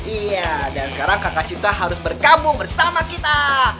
iya dan sekarang kakak cinta harus bergabung bersama kita